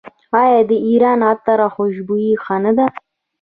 آیا د ایران عطر او خوشبویي ښه نه ده؟